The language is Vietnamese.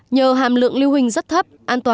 nhờ hàm lượng lưu hình rất thấp